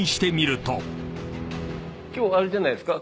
・「今日あれじゃないですか。